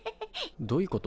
どういうこと？